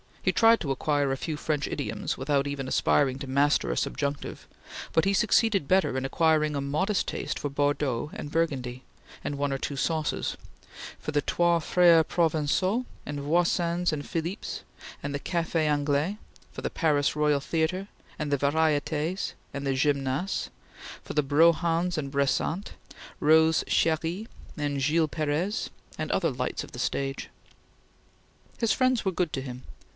He tried to acquire a few French idioms, without even aspiring to master a subjunctive, but he succeeded better in acquiring a modest taste for Bordeaux and Burgundy and one or two sauces; for the Trois Freres Provencaux and Voisin's and Philippe's and the Cafe Anglais; for the Palais Royal Theatre, and the Varietes and the Gymnase; for the Brohans and Bressant, Rose Cheri and Gil Perez, and other lights of the stage. His friends were good to him.